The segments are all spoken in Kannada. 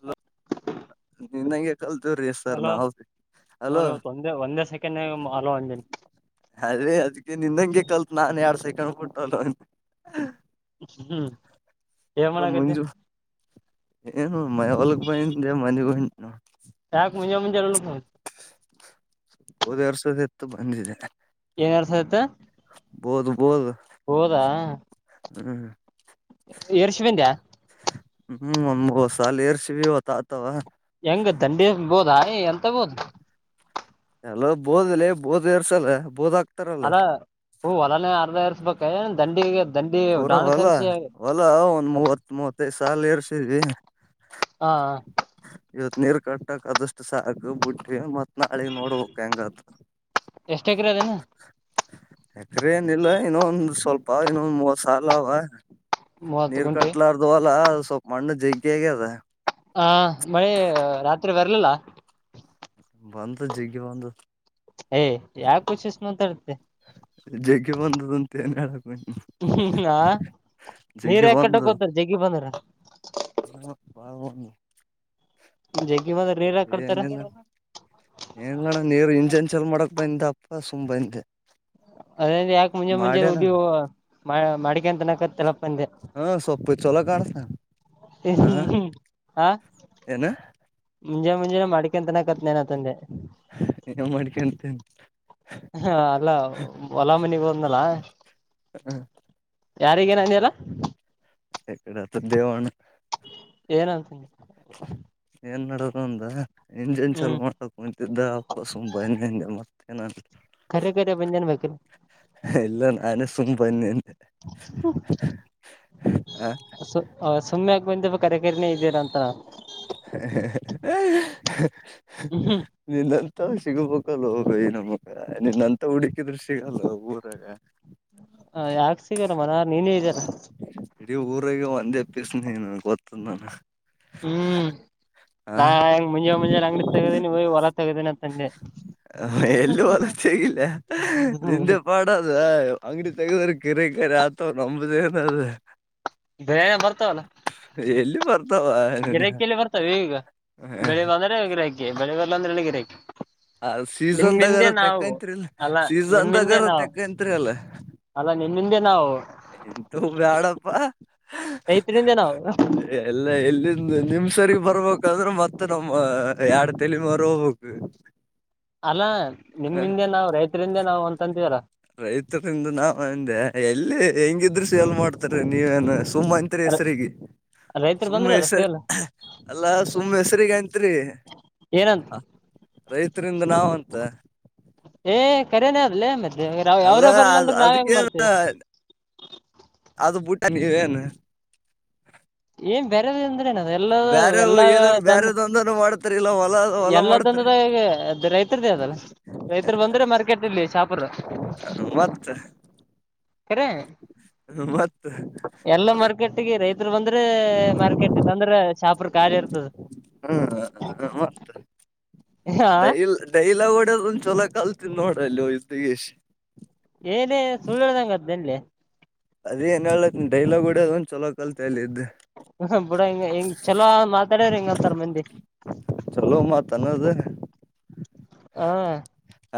ಹಲೋ ನಿನಗೆ ಕಲ್ತವ ರೀ ಸರ್ ಹಲೋ ನಾವು ಹಲೋ ನೋಡಿ ಇವತ್ತು ಒಂದೇ ಒಂದೇ ಸೆಕೆಂಡ್ನಾಗ ಹಲೋ ಅಂದೇನಿ ಅದೇ ಅದಕ್ಕೆ ನಿನ್ನಂಗೆ ಲ್ ನಾನ ಎಡ್ ಸೆಕಂಡ್ ಕುಟ್ಟಲ್ಲ ಹ್ಮ್ ಏನ್ ಮಾಡಕ್ಕತ್ತಿ ಮುಂಜು ಏನು ಮಯ ಹೊಲಕ್ ಬಂದೀನಿ ಮನೆ ಹೊಂಟನಿ ಯಾಕ್ ಮುಂಜೆ ಮುಂಜೆ ಹೊಲಕ್ಕೆ ಗೋಧಿ ಆರ್ಸೋದಿತ್ ಬಂದಿದೆ ಏನ್ ಯಾರ್ಸ ಆತ ಬೋದ ಬೋದ ಹೌದಾ ಹ್ಮ ಏರಿಷ್ ಬಂದ್ಯಾ ಹ್ಮ್ ಒಂದು ಮೂರು ಸಾಲ್ ಏರಿಸಿ ಇವತ್ತ ಅತವಾ ಹೆಂಗ ದಂಡಿಬೋದ ಎಂತ ಬೋದ ಎಲೋ ಬೋದಲಿ ಬೋದ್ ಇರ್ಸಲ್ಲ ಬೋದಾ ಅದ ಹೂ ಹೊಲನ ಅರ್ಧ ಏರಿ ಬೇಕ ಏನ್ ದಂಡಿಗೆ ದಂಡಿ ಪೂರ ಡಾಣ ಹೊಲಾ ಸರಿಸಿ ಹೊಲಾ ಒಂದ್ ಮೂವತ್ ಮೂವತ್ತೈದ್ ಸಲ್ ಎರ್ಸಿದಿ ಹಾ ಇವತ್ ನೀರು ಕಟ್ಟ ಆದದಷ್ಟು ಸಾಕು ಬುಟ್ಟಿ ಮತ್ತ ನಾಳಿಗೆ ನೋಡ್ಬೇಕ ಹೆಂಗಂತ ಎಷ್ಟ್ ಎಕರೆ ಅದೇನ ಯಕ್ರೆ ಏನಿಲ್ಲ ಇನ್ನೊ ಒಂದು ಸ್ವಲ್ಪ ಬಾಗಿನನ್ನು ಮೂವತ್ತು ಸಾಲ ಬಾಯಿ ಮೂವತ್ತು ನೀರ್ ಗುಂಟೆ ಕಟ್ಲಾರ್ದು ಹೊಲ ಸ್ವಲ್ಪ ಮಣ್ಣು ಜಗ್ಗಿ ಆಗ್ಯದ ಹಾ ಮಳೆ ರಾತ್ರಿ ಬರ್ಲಿಲ್ಲ ಬಂದು ಜಗ್ಗಿ ಬಂದು ಏ ಯಾವ ಕೊಚಿಸ ಮಾತಾಡ್ತಿ ಜಗ್ಗಿ ಬಂದದ ಅಂತ ಏನ್ ಹೇಳಕ್ ಹಾ ನೀರ್ ಜಗ್ಗಿ ಯಾಕ ಬಂದದ ಕಟ್ಟಕೋತಾರ ಜಗ್ಗಿ ಬಂದ್ರ ಹೂ ಪಾ ಜಗ್ಗಿ ಬಂದ್ರ ನೀರ್ ಯಾಕ ಕಟ್ತಾರ ಏನಿಲ್ಲ ಏನ್ಣ ನೀರ ಇಂಜನ್ ಚಲ ಮಾಡಕ್ ಬಂದ ಅಪ್ಪ ಸುಮ್ ಬಂದೆ ಅದ ಯಾಕೆ ಮುಂಜೆ ಮುಂಜೆ ಮಾಡ್ಯನ ಉಡಿ ಮ ಹಾ ಸೊಪ್ಪು ಚಲೋ ಕಾಣ್ಸುತ್ತೆ ಹ ಹ್ಮ ಹ್ಮ ಹಾ ಏನ ಮುಂಜೆ ಮುಂಜಾನೆ ಮಾಡ್ಕೊನ್ ತಿನ್ನಕತ್ತೆ ನೇನ ಅಂದೆ ಏನ್ ಮಾಡ್ಕಂತೇನೆ ಹಾ ಅಲ್ಲ ಹೊಲ ಮನಿಗ ಹೋದ್ನಲ್ಲ ಯಾರಗೇನ ಅಂದಿಲ್ಲ ಎಕಡೆ ಹೇಳ್ತಾನೆ ದೇವಣ್ಣ ಏನ ಅನ್ಸಗ ಏನ್ ನಡೋದು ಅವನ್ದ ಇಂಜನ್ ಚಲೋ ಮಾಡಕ ಕುಂತಿದ್ದ ಅಪ್ಪ ಸುಮ್ಮ ಬನ್ನಿ ಹಂಗ ಮತ್ತ ಕರೆ ಕರೆ ಬಂದೇನ್ ಬೇಕ ಎ ಎಲ್ಲ ನಾನೇ ಸುಮ್ಮ ಬನ್ನಿ ಅಂದೆ ಹ ಸ ಸುಮ್ಮನೆಗ ಯಾಕ್ ಬಂದ ಬ ಕರೆಕರಿನಿ ಇದ್ದೀರಾಂತ ಹ ಹ್ಮ್ ನಿನ್ನ ಸಿಗಬೇಕಲ್ಲ ಬೈ ನಮ ನಿನ್ನಂತ ಹುಡುಕಿದ್ರೂ ಸಿಗಲ್ಲ ಊರಾಗ ಹ ಯಾಕ ಸಿಗಲ್ಲ ಮಾರಾಯ ನೀನೇ ಇದಿಯಲ್ಲ ಇಡೀ ಊರಗ ಅಂತ ಅಪ್ಪೇಸ ನನು ಗೊತ್ತದ ನನಗ ಹ್ಮ್ ಆ ನಾಂಗ್ ಮುಂಜಾ ಮುಂಜಾನೆ ಅಂಗಡಿ ತೆಗದೀನಿ ಹಯಿ ಹೊರ ತೆಗದೀನ ಅಂದೇ ಎಲ್ಲಿ ಹೊಲ ತೆಗಿಲ್ಯ ೆಗೆರು ಗಿರೆ ಕರೆ ಆತವ ನಂಬದೇ ಏನ ಅದು ಬೇ ಬರ್ತವಲ್ಲ ಹತ್ತ ಎಲ್ಲಿ ಬರ್ತಾವ ಈಗ ಬೆಳಿ ಬಂದ್ರ ಗಿರಿಕೆ ಬೆಳೆದಲ್ಲ ಅಂದ್ರೆ ಗಿರೇಕೆ ಅ ಸೀಸನ್ದಾಗಾರ ತೆಕ್ಕತ್ರಿಲ್ಲ ಅಲ್ಲ ನಿಮ್ಮಿಂದೆ ಸೀಸನ್ದಾಗಾರ ನಾವು ತೆಕ್ಕತ್ರಿ ಅಲ್ಲ ಅಲ್ಲ ನಿಮ್ಮಿಂದೆ ನಾವು ಎಂತು ಬ್ಯಾಡಪ್ಪ ರೈತರಿಂದ ನಾವು ಎಲ್ಲ ಎಲ್ಲಿಂದ ನಿಮ್ ಸರಿ ಬರ್ಬೇಕಾದ್ರೆ ಮತ್ತತ್ ನಮ್ಮ ಎರಡ್ ತಲಿ ಮಾರ ಹೋಗ್ಬೇಕು ಅಲ್ಲಾ ನಿಮ್ ಹಿಂದೆ ಅಲ್ ನಾವ್ ರೈತರ್ ಹಿಂದೆ ನಾವು ಅಂತ್ ತೀರಾ ರೈತರಿಂದ ನಾವ ಅಂದೆ ಎಲ್ಲಿ ಹೆಂಗಿದ್ರು ಸೇಲ್ ಮಾಡ್ತಾರ ನೀವೇನು ಸುಮ್ಮ ಅತ್ರಿ ಹೆಸ್ರರಿಗೆ ರೈತರು ಸುಮ್ನೆ ಬಂದ್ರಲ್ಲ ಹೆಸರು ಸೇಲ್ ಅಲ್ಲಾ ಸುಮ್ನೆ ಹೆಸ್ರರಿಗೆ ಅತ್ರಿ ಏನಂತ [unintelligible] ರೈತರಿಂದ ನಾವಂತ ಹೆ ಖರೇನ ಲೆ ಅದ್ ಮತ್ ರಾವ್ ಅಲ್ಲ ಅವ್ರೆ ಬರ್ಲಿಲ್ಲ ಅದ್ ಅಂದ್ರೆ ನಾವ ಹೆಂಗ ಅದಕ್ಕೇನ್ ಮಾಡ್ತೀವಿ [inaudible] ಹ ನೇನು ಬೇರೆದ ಅಂದ್ರೆ ಏನು ಬೇರೆ ಏನಾದ್ರು ಬೇರೆದ ಅಂದನ ಮಾಡ್ ಎಲ್ಲ ತಂದದ ಈ ರೈತರ್ದೇ ಅದಲ್ಲ ರೈತರು ಬಂದ್ರೆ ಮಾರ್ಕೆಟ್ ಇಲ್ಲಿ ಶಾಪರು [inaudible] ಮತ್ತ ಕರೆ ಮತ್ತ [inaudible] ಎಲ್ಲ ಮಾರ್ಕೆಟ್ ಗೆ ರೈತರು ಬಂದ್ರೆ ಮಾರ್ಕೆಟ್ ಇಲ್ಲ ಅಂದ್ರೆ ಶಪರ್ ಖಾಲಿ ಇರ್ತದ ಹ್ಮ್ ಮತ್ತ ಹಾ [inaudible] ಡೈಲ್ ಡೈಲಾವು ಇದ್ ಒಂದ್ ಚೊಲೋ ಕಲ್ತಿನಿ ನೋಡ್ [unintelligible] ಏನೇ ಸುಳ್ ಹೇಳ್ದಗ್ ಆತ್ [inaudible] ಅದೇ ಏನ್ ಹೇಳ ನಿನ್ ಡೈಲಾಗ್ ಹೊಡಿಯೋ ದೊಂದ್ [inaudible] ಹಹ ಬೂಡ ಹಿಂಗ ಹಿಂಗ್ ಚಲೋ ಮಾತಾಡಿದ್ರೆ ಹಿಂಗ್ ಅಂತಾರೆ ಮಂದಿ ಚಲೋ ಮಾತ್ ಅನ್ನೋದು ಹ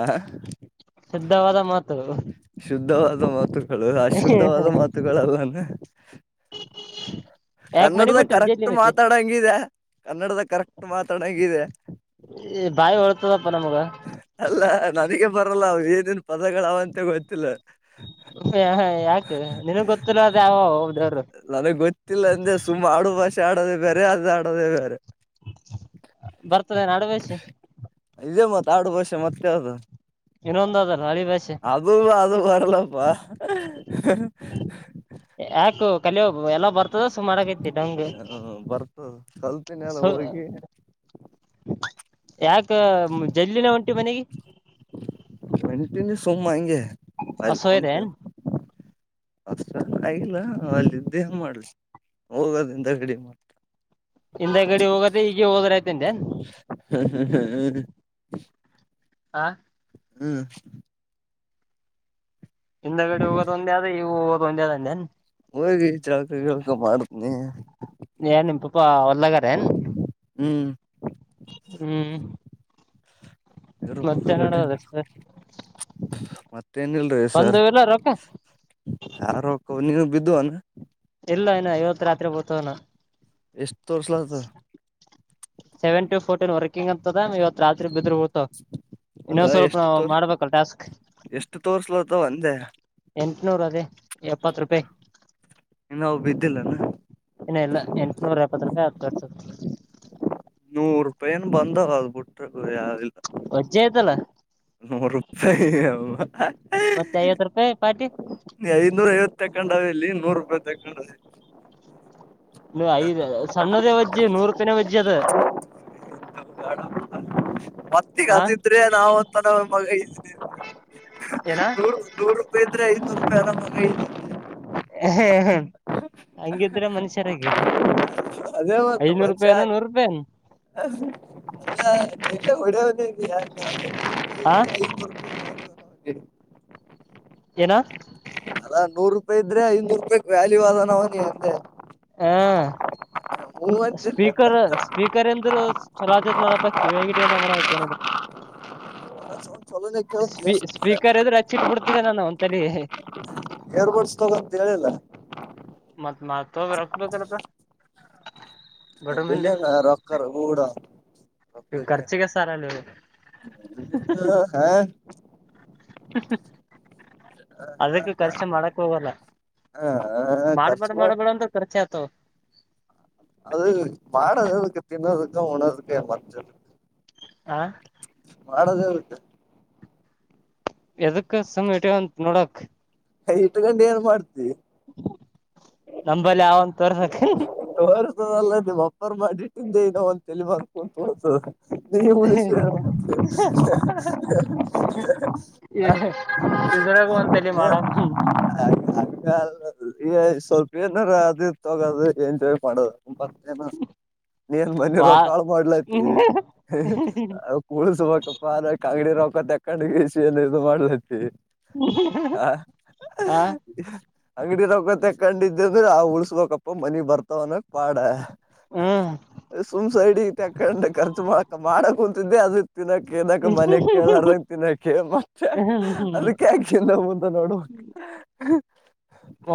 ಆ [inaudible] ಇದಾದ ಮ [inaudible] ಶುದ್ಧವಾದ ಮಾತುಗಳು ಅಶುದ್ಧವಾದ ಮಾತುಗಳಲ್ಲಾ ನ [inaudible] ಯಾಕ ಮನೆಗ್ ಕನ್ನಡದ ಹೊಂಟಿಲ್ ಜೇಲಿ ಕರೆಕ್ಟ್ ಮತ್ತೆ ಮಾತಾಡಂಗಿದೆ ಕನ್ನಡದ ಕರೆಕ್ಟ್ ಮಾತಾಡಂಗಿದೆ ಬಾಯಿ ಹೊಳ್ತದಪ್ಪ ನಮಗ ಅಲ್ಲ ನನಗೆ ಬರಲ್ಲ ಅವ ಏನೇನ್ ಪದಗಳಾವಂತೆ ಗೊತ್ತಿಲ್ಲ ಹುಹು ಹಹ ಯಾಕೆ ನಿನಗ್ ಗೊತ್ತಿಲ್ಲ ಅದ ಯಾವ ಹುದ್ರದ ನನಗ್ ಅದೇ ಅದ್ ಆಡೋದೇ ಬೇರೆ [unintelligible] ಬರ್ತುದೇನ್ ಆಡುಭಾಷಿ ಇದೇ ಮತ್ ಆಡು ಭಾಷೆ ಮತ್ ಯಾವ್ದು ಇನ್ನೊಂದ್ ಅದಲ್ಲ ಅಳಿ ಭಾಷೆ ಅದು ಅದು ಬರಲ್ಲಪ್ಪಾ ಹಹ [inaudible] ಕಲಿ ಹೋಗು ಎಲ್ಲಾ ಬರ್ತ ತೋರ್ಸು ಮಾಡಂಗ್ ಅಯ್ತಿ ಡಂಗ ಹ ಬರ್ತದ [inaudible] ಕಲ್ತಿನಲ್ಲ ಸೊ ಹೋಗಿ ಹ ಯಾಕ್ ಜಲ್ಲಿನ ಒಂ ಎ ಬನೆಗೆ ಸೋ ಮಾಡ ಇಂಗೆ ಪಹಲ್ಕಟ ಅಸೋಯ್ದೆನ್ ಅಷ್ಟ ಆಗಿಲ್ಲ ಅಲ್ಲಿದ್ದೇ ಮಾಡ್ಲಿ ಹೋಗೋದಿಂದ ಗಡಿ ಮಾಡ್ತ ಇಲ್ಲ ಗಡಿ ಹೋಗದ್ರೆ ಈಗ ಹೋದ್ರ ಆಯ್ತಂತೆ ಹಾ ಹ್ಮ್ ಹಿಂದ ಗಡಿ ಹೋಗೋದ ಒಂದೇ ಆದ ಇವು ಹೋಗೋದ ಒಂದೇ ಆದ ಅಂದೇನ್ ಹಗ ಳ್ಕ ಮಾಡತನಿ ಹ ಅಲ್ಲಗ ಹ್ಮ್ ಯಾರ ಮತ್ತೆ ಹಲ್ಲ ನೋಡೋದ ಮತ್ತೇನ ಇಲ್ರಿ ಒಂದು ಸರ್ ಇಲ್ಲ ರೊಕ್ಕ ಯಾರು ನೀನು ಬಿದ್ದು ಅಾನ ಇಲ್ಲ ನ ಇವತ್ ರಾತ್ರಿ ಬತವನ ಎಷ್ಟ ತೋರ್ರಿಸಲ ರಿಂಗ ್ ಇವತ್ ರಾತ್ರಿ ಬಿದ್ರ ಹತ ಅಲ್ಲ ಇನ್ನೊ್ ಸ್ವಲ್ಪ ಎಷ್ಟು ನಾವು ತೋರ್ ಮಾಡ್ಬೇಕಲ್ ಟಾಸ್ಕ್ ಎಷ್ಟು ತೋರ್ಸ್ಲತ್ತವ ಅಂದೆ ಎಂಟನೂರ ಅದೇ ಎಪ್ಪತ್ ರೂಪಾಯಿ ಇನ್ನಾವ್ ಬಿದ್ದಿಲ್ಲನ ಇನ್ನ ಇಲ್ಲ ಎಂಟನೂರ ಎಪ್ಪತ್ ರೂಪಾಯಿ [unintelligible] ನೂರ್ ರೂಪಾಯಿನ್ ಬಂದ ಹದಬಿಟ್ರ ಹ ಯಾವವುಿಲ್ಲ ವಜ್ಜೆ ಆಯ್ತಲ್ಲ ನೂರು ರೂಪಾಯಿ ಹ ಹಾ ಮತ್ತೆ ಐವತ್ತು ರೂಪಾಯಿ ಪಾರ್ಟಿ ತಗೊಂಡಾವ ಇಲ್ಲಿ ನೂರು ರೂಪಾಯಿ ತಕೊಂಡಾವ ಐದ್ ಸಣ್ಣದೇ ವಜ್ಜೆ ನೂರತ್ತನೇ ವಜ್ಜ ಅದ ಹ ಗ ಮತ್ತಗ ಆ ಹಸಿದ್ರೆ ನಾವಂತ ನ ಮಗೇ ಏನ ನೂರು ನೂರು ರೂಪಾಯಿ ಎ ಐರ ಹಾ ಅದೇ ಮ ಐನೂರು ರೂಪಾಯಿನ ಮಂಚಾಯ ನೂರು ರೂಪಾಯಿನ ಮಸ ಹೊಡ ಹೊ ಇ ಯಾರ [unintelligible] ಆ [unintelligible] ಏನ ಅ ನೂರು ರೂಪಾಯಿ ್ರ ಐನೂರುಾಯ ವ್ಯಲ್ವಾದಾನವು ನೀ ಹಂದ ಹಾ ಅಂತಿಲ್ಲೆ ಸ್ಪೀಕರ್ ಮತ್ತ ಸ್ಪೀಕರ್ ಎಂದರು ಚಲೋ ಆತತ್ ನೋಡಪ್ಪ ಕಿವಿಯಗಿ ಮಾಡಬೇಕ ಏನಾದ್ರು ಸೌಂಡ್ ಚಲೋನೆ ಕೇಳ್ತಲೆ ಸ್ಪೀ ಸ್ಪೀಕರ್ ಎ್ರು ಹಚ್ಚಿಟ್ಬಿಡ್ತಿದ್ದೆ ನಾನು ಒಂತಲಿ ಏರ್ಬಡ್ಸ್ ತಗೋ ಅಂತ ಹೇಳಿಲ್ಲ ಮತ್ತ ನ ತೋಗ ರೊಕ್ಬೇಕಲ್ಪ್ಪ ಎ ಬೆಿಲ್ಲಂಗ ರೊಕ್ಕರು ಕೂಡ ನೀವು ಖರ್ಚಿಗೆ ಸಾರಲ್ಲ ಹೇಳು ಹಾ ಅದಕ್ಕೆ ಖರ್ಚ ಮಾಡಕ್ ಹೋಗಲ್ಲ ಹ ಖರ್ಚು ಮಾಡ್ಬಾರಡ ಮಾಡಿ ಮಾಡ್ಬೇಡ ಅಂದ್ರೆ ಖರ್ಚ ಆತ ತ್ತ ಅದು ಮಾಡಡಗಕ್ಕೆ ತಿನ್ನದಕ್ಕ ಉಣದುಕ್ಕ ಮಜದ ಆ ಮಾಡೋದೇ ಇರುತ್ತೆ ಎದಕ್ಕ ಸಮಯಟಂತ ನೋಡಕ್ ಇಟ್ ಗಂಡು ಏನ್ ಮಾಡ್ತಿವಿ ನಂಬಲ್ಲಿ ಯಾವಂತ ತೋರ್ಬೇಕ ದಲ್ಲ ನಿವು್ ಅಪ್ಪರ್ ಮಾಡಿಟ್ಟಿಂದ ಏೋ ಒಂದ ತಲಿ ಮಾರ್ಕೊಂಡಂತೋಳಸದ ಇದ್ರಗೂ ಅಂತಲ್ಲಿ ಮಾಡೇಮ್ ಹ್ಮ [unintelligible] ಸ್ವಲ್ಪ ಏನಾರ ಅದ ತಗೋದು ಎಂಜಾಯ್ ಮಾಡದು ಮತ್ತನ ನೀನ್ ಮನ ವಾ ರೊಕ್ಕಾಳ ಮಾಡ್ಲೈತಿ ಕಳ್ಸಬೇಕಪ್ಪ ಅ ಕಂಗಡಿ ಕ್ಕ ತಕ್ಕಂಡಿಗೆಸ ಏನ್ ಇದು ಮಾಡ್ಲತಿ ಹ ಹಾ ಅಂಗಡಿ ರತ್ತ ಕಂಡಿದ ಅಂದ್ರೆ ಆ ಉಳ್ಸ್ಬಬೇಕಪ್ಪ ಮನಿಗ್ ಬರ್ತಾವನಕ್ ಪಾಡ ಹ್ಮ್ ಸುಮ್ಸ ಇಡ ತಕೊಂಡೆ ಖರ್ಚು ಮಾಡಕ ಮಾಡ ಹಂತಿದ್ದ ಅದು ತಿನ್ನಕ್ ಏನಕ ಮನೆ ಕೇಳಾರಂಗ ತಿನ್ನಾಕ ಮತ್ತ ಅದಕ್ಕೆ್ಯಾಕಿಂದ ಮುಂತ ನೋಡ್ಬೇಕ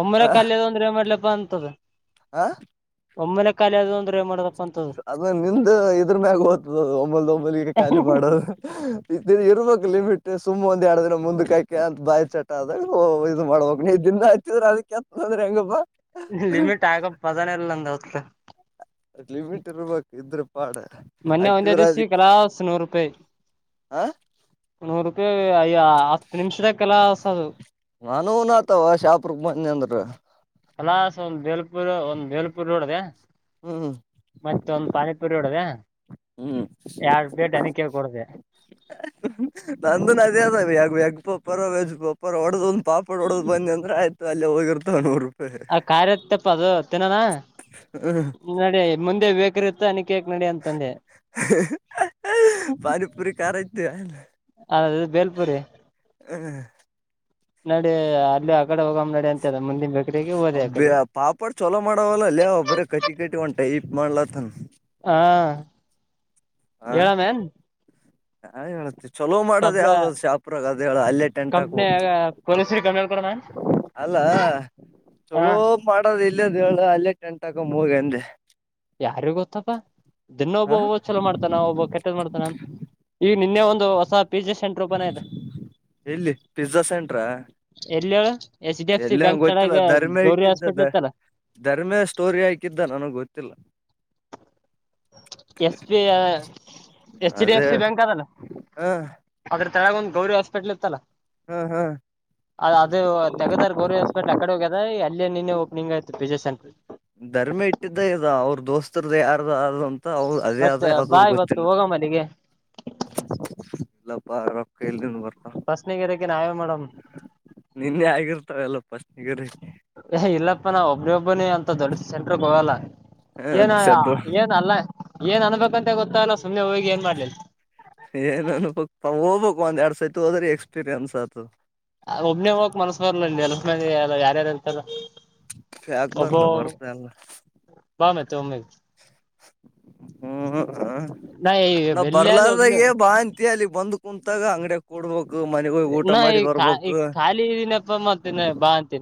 ಒಮ್ಮರ ಕಲ್ಲದಂದು ಸ್ರರೆ ಮಾಡ್ಲಪ್ಪ ಅಂತದೆ ಹಾ ಒಮ್ಮನೆ ಖಾಲಿ ಅದು ಅಂದ್ರೆಏ ಮಾಡ ಅದ ನಿಂದ ಇದ್ರ ಮ್ಯಾಗ ಹೋ್ತದ ಒಂಬಲ್ದ ಒಂಬಲಿಗೆ ಖಾಲಿ ಮಾಡೋದು ಇರ್ಬೇಕು ಲಿಮಿಟ್ ಸುಮ್ಮ್ ಒಂದ ಎರಡು ದಿನ ಮುಂದ್ ಕಾಯಕ ಅಂತ ಬಾಯಿ ಚಟ ಆದದಾಗ ಇ್ ಮಾಡ್ಬಕ್ ನೀ ದಿನ ಹಚ್ಚಿದ್ರ ಅದಕ್ಕೆ ಎತ್ತತ್ನ ಅಂದ್ರೆ ಹೆಂಗಪ್ಪಾ ಲಿಮಿಟ್ ಆಗ ಪದನ ಎಲ್ಲ ಅಂದ [inaudible] ಅ [unintelligible] ಇರ್ಬೇಕ್ ಇದ್ರ ಪಾಡ ಮನ್ನೆ ಒಂದ ಹಚ್ಚಿದ್ರ ದಿವಸ ಅದಕ್ಕೆ ಕಲಾಸ್ ನೂರು ರೂಪಾಯಿ ನೂರು ರೂ ಯ [unintelligible] ನಾನವುನ್ತಾವ ಶಾಪರು ಮಂದ ಅಂದ್ರ [unintelligible] ಪುರ ಒಂದ್ ಬೇಲ್ಪುರ್ ಹೊಡ್ದೆ ಹ್ಮ್ ಮತ್ತೆ ಒಂದು ಪಾನಿಪುರಿ ಹೊಡ್ದೆ ಹ್ಮ್ ಕೇಳ್ ಕೊಡದೆ ನಂದು [unintelligible] ಬಯಾಗ ಪಪರ ವೆಜ್ ಪಪರ್ ಒಡದಂ ಪಾಪಾಡೋದು ಬಂದ ಅಂದ್ರ ಆಯ್ ಅಲ್ಲೆ ಹೋಗಿರ್ತಾವ್ ನೂರು ರೂಪಾಯಿ ಆ ಕಾರ್ಯತ್ತಪ್ಪ ಅದು ತಿನ್ನನ ಹ್ಮ್ ನೋಡಿ ಮುಂದೆ ಬೇಕರಿ ಇತ್ತ್ ಅನ ಪಾನಿಪುರಿ ಕಾರ ಐತೆ ಅಲ್ಲ ಹದು ಬೇಲ್ಪುರಿ ನಡಿ ಅಲ್ಲಿ ಆಗಡೆ ಹೋಗಮ್ಮ್ ನಡಿ ಅಂತ ಮುಂದನ್ ಬೇಕ ಅ ಪಾಪಾಡ್ ಚಲೋ ಮಾಡವಲ್ಲಲ್ಲಯ ಬರ ಕಟ್ಟಿ ಕಟ್ಟಿ ಒಂಟ ಟೈಪ್ ಮಾಡಲಥನ್ ಹಾ ಹೇಳಮೇನ್ ಹಾ ಹೇಳುತ್ತ ಚಲೋ ಮಾಡೋದ್ ಯಾವ್ದ ಶಾಪ್ರಾಗ ಅದು ಹೇಳ ಅಲ್ಲೇ ಟೆಂಟ್ ಹಾಕ್ಬ ಕಂಪ್ನಿ ಪೊಲೀಸರಿಗೆ ಕಂಪ್ಲೇಂಟ್ ಕೊಡ ಮ್ಯಾನ್ ಅಲ್ಲ ಹಾ ಚಲೋ ಮಾಡದ ಇ ಇಲ್ಲದ ಹೇಳ ಅಲ್ಲೇ ಟೆಂಟ್ ಹಕ್ ಹೋಗ ಅಂದೆ ಯಾರಿ ಗೊತ್ತಪ್ಪಾ ದಿನ ಹ ಒಬ್ಬ ಮಾಡ್ತಾನ ಒಬ್ಬ ಕೆಟ್ಟದ ಮಾಡ್ತಾನ ನಿನ್ನೆ ಒಂದು ಹೊಸ. ಪಿಜಾ ಸೆಂಟರ್ ಓಪನ್ ಆಯ್ತ ಎಲ್ಲಿ ಎಲ್ಲಿ ಹೇಳು. ಎಚ್ ಡಿ ಎಫ್ ಸಿ ಎಲ್ಲಂಗೆ ಬ್ಯಾಂಕ್ ಗೊತ್ತಿಲ್ಲ ಕೆಳಗ ಧರ್ಮ ಗೌರಿ ಇಟ್ಟಿದ್ದ ಹಾಸ್ಪಿಟ್ಲ್ ದ ಇತ್ತಲ್ಲ ಧರ್ಮಿಯ ಸ್ಟೋರಿ ಹಾಕಿದ್ದ ನನಗ್ ಗೊತ್ತಿಲ್ಲ. ಸ್ ಬಿ ಐ ಆ ಕೆ ಎಚ್ ಡಿ ಎಫ್ ಅದೇ ಸಿ ಬ್ಯಾಂಕ್ ಅದಲ್ಲ ಹ ಅದ್ರ. ತಳ ಒಂದ ಗೌರಿ ಹಸ್ಪಿಟ್ಲ್ ಇತ್ತಲ್ಲ. ಹಾ ಹಾ ಅ ಅದು ತೆಗದಾರ್ ಗೌರ್ವ ಹಾಸ್ಪಿಟ್ಲ್ ಆಕಡೆ ಹೋಗೆದ ಅಲ್ಲಿ ನಿನ್ನೆ ಓಪ್ನಿಂಗ್ ಆಯತು ಪಿಜೆಷನ್. [unintelligible] ಧರ್ಮಿ ಇಟ್ಟಿದ್ದ ಇದ ಅವ್ರ ದೋಸ್ತರದ್ದ ಯಾರ್ದ ಅಂತ. ಅವ ಅದೇ ಮತ್ತ ಅದ ಬಾ ಯಾವ್ದದು ಇವತ್ತ ಗೊತ್ತಿಲ್ಲ ಹೋಗಮ ಅಲ್ಲಿಗೆ. [unintelligible] ಸ್ನಿಗೆರಕ್ಕ ನಾವ ಮಾಡಮ್ ನಿನ್ನೆ ಆಗಿರ್ತಾವೆಲ್ಲ ಫಸ್ಟ್ಗಿರಿ ಇಲ್ಲಪ್ಪಾ ನಾ ಒಬ್ಬ ಒಬ್ಬನೇ ಅಂತ. ದೊಡ್ಡ ಸೆಂಟರ್ಗ್ಗೋಗಾಲ. ಏನಾ ಸಡ್ಡು ಏನ ಆಲ್ಲಾ. ಏನ್ ಅನ್ನಿಬೇಕಂತೆ ಗೊತ್ತಾಲ್ಲ ಸುಮ್ಮ್ನೆ ಹೋಗಿ ಏನ್ ಮಾಡ್ಲಿ. ಏನ್ ಅನ್ಬಾಕ್ ಹ್ಬಬೇಕಕ್ ಒಂದ್ ಎರಡ್ ಸೈತ ಹೋದ್ರಿ ಎಕ್ಸ್ಪೀರಿಯನ್ಸ್ ಆಗ್ಬೇಕು. ಒಬ್ನೇ ಹೋಗಕ್ ಮನ್ಸ್ ಬರ್ಲ ಎಲ ಮಲ್ಲ ಯಾರ್ಯಾರ ಇರ್ತಾರ. ಯಾಕ್ ಬರ್ಲ ಬರ್ಸ ಅಲ್ಲ. ಮತೊಮ್ಮೆ. ಹ್ಮ್ ಹ ಹ್ಮ ನಾ ಈಗ ನಾವ್ ಬೆಲ್ಲಲ್ಲ ಒಬ್ನ ಬರ್ಲಾರಾಗೇ ಬಾ ಅಂತಿ ಅಲ್ಲಿ ಬಂದ್ ಕುಂತಾಗ ಅಂಗಡೆ. ಕೊಡಬೋಕ. ನಾ ಈ ಈ ಖಾಲಿ ಇದನಪ್ಪ ಫೋನ್ ಮಾಡ್ತಿದೆ ಮತ್ತ ಬಾ ಅಂತೀ.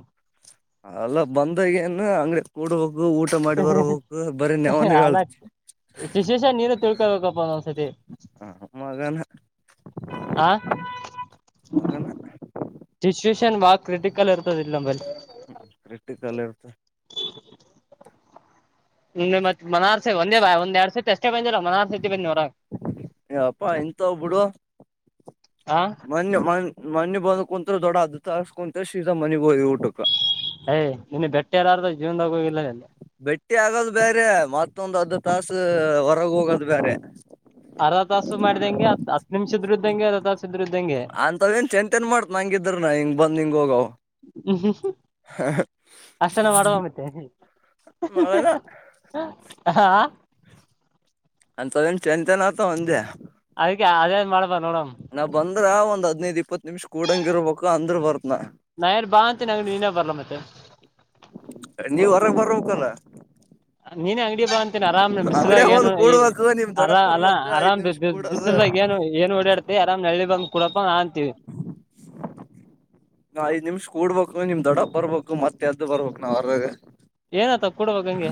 ಅಲ್ಲ ಬಂದಾಗ ಏನ್ ಅಂಗ್ಡಿ ಕೂಡಬಕ್. ಊಟ ಮಾಡಿ ಬರಹಕ್ ಬರೀ ನವನ್ ಹೇಳ್ತ. ತಿಳ್ಕೊಬೇಕಪ್ಪಾ ನಾವ್. ಮಗನ ಮಗನ ದಿಸ್ ಐಸ್. ಬಾಳ ಕ್ರಿಟಿಕಲ್ ಇರ್ತಾದ್ ಇಲ್ಲ ನಂಬಲ್ಲ. ಹ್ಮ್ ಕ್ರಿಟಿಕಲ್ ಇರ್ತ. [unintelligible] ಸುಮ್ನೆ ಮತ್ತ ಮನಾರ್. ಒಂದೇ ವಂದ್ಯಾಡಸರ್ತಿ ಅಷ್ಟೇ ಬಂದಿವ ಮನರ್ಸರಿ ಬಂದೆವ ಉರಾಗ್. ಮಣ್ಣ ಹೊಣ್ಣ ಮಣ್ಣ ಬಂದ. ಕುಂತುರ್ ದೋಡಾ ಅರ್ಧ ತಾಸು ಸೀದಾ ಮನಿಗ್ ಹೋದವುಟುಕಾ.. ಯ್ ಇನ್ನು ಬೆಟ್ಟಾಲಾರ್ದು ಜೀವನದಾಗೋಗಿಲ್ಲ ಅಲ್ಲ. ಬೇಟಿ ಆಗದ್ ಬ್ಯಾರೆ ಮತ್ತೊಂದು ಅರ್ಧ ತಾಸ ಹೊರಗ ಹೋಗದ್ ಬ್ಯಾರೆ. ಅರ್ದಾ ತಾಸು ಮಾಡ್ದಂಗೆ. ನಿಮ್ಷದ್ರದ್ದಂಗೆದ. ಅಂತದೇನ್ ಚೆಂತೇನ್ ಮಾಡ್ತ್ ನಂಗಿದ್ರ ನ ಹಿಂಗ್ ಬಂದ್ ನಿಂಗ ಹೋಗಾವ ಅಷ್ಟನ ಮಾಡುವ ಮತ್ತೆ ಮಲ್ಲ. ಹ ಅಂತದ್ ಎನ್ ಟೆಂಂತ ನ್ ಆತ ಒಂದೇ. ಆದಕ್ಕೆ ಆದೇದ್ ಮಾಡ್ದ. ನಾವ್ ಬಂದ್ರ ಒಂದ್ ಹದ್ನೈದ್ ಇಪ್ಪತ್ತು ನಿಮಿಷ ಕೂಡಂಗಿರ್ಬೇಕು ಅಂದ್ರ ಬರ್ತ್ನ. ನಾ ಏನ್ ಬಾ ಅಂತೀನಿ ನೀನೇ ಬರ್ಲ ಮತ್ತೆ ನೀವು ವರಗ ಬರಬೇಕಲ. ನೀನೇ ಅಂಗಡಿ ಬ ಅಂತೀನಿ ಆರಾಮ್ನ ಬಿಸ್ಲಾಗ ಒಂದ್ ಏನು ಕೂಡ್ಬೇಕು ನಿಮ್ ದೊಡ್ಡಪ್ಪ ಅರ-ಅಲ ಬರ್ಬೇಕು ಐದ್ ಅರಾಮ ಬ ನಿಮಿಷ -ಬಿ ಕೂಡದು ಬಿಸಲಾಗ ಏನು ಏನ್ ಓಡಾಡ್ತಿ ಆರಾಮ್ ನಳ್ಳಿ ಬಂದ ಕುಡಪ್ಪ ಅಂತೀವಿ. ಐದ್ ನಿಮಿಷ ಕೂಡ್ಬೇಕು ನಿಮ್ ದೊಡ ಬರ್ಬೇಕು ಮತ್ತೆ ಎದ್ದ ಬರ್ಬಬೇಕಕ್ ನಾವ್ ವರಗ. ಏನತ ಕೂಡುವಂಗೆ.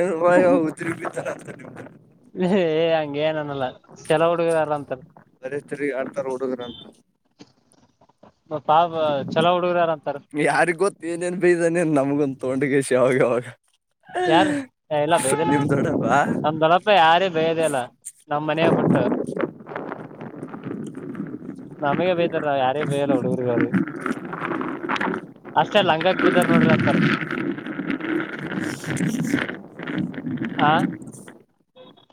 ಎನು [unintelligible] ಉತ್ರಿಡಿತರ. [inaudible] [unintelligible] ಹಂಗ ಏನ. ಲ್ಲ ಚಲ ಹುಡುಗರಾರ ಅಂತ. ಹಚರಿ ಆಡ್ತಾರ ಹಡುಗ್ರ ಅಂತ. ಮ ಪಾಬ್ ಚಲೋ ಹುಡುಗರಾರ ಅಂತಾರ. ಯಾರಿಗ್ ಗೊತ್ತ ಏನೇನ್ ಬೈದಾನ ನ್ ನಮಗೊಂದು ತೊಂಗೇಶ್ ಅವಾಗ ಅವಾಗ. ಯಾರ ಎಲ್ಲ ಬೇಯದಿಲ್ಲ ನಿಮ್ ದೊಡ್ಡಪ್ಪ ನಮ್ದಲ್ಲಪ್ಪ ಯಾರೇ ಬೇಯದಲ್ಲ ನಮ ಮನೆಯ ಬಿುಟ್ಟು. ನಮಗೆ ಬೇಯತಾರ ನಾವ್ ಯಾರೇ ಬೇಯಲ್ಲ ಹುಡುಗರ್ಗ ಅವಿ ಅಷ್ಟೆ ಲಂಗಕ್ ಬಿದ್ದಾರ ನೋಡ್ರಿ ಅಂತಾರ. [inaudible] ಆ.